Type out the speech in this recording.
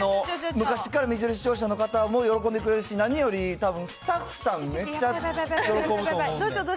昔から見てる視聴者の方も喜んでくれるし、何よりたぶん、スタッフさん、めっちゃ喜ぶと思うねん。